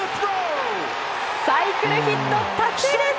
サイクルヒット達成です！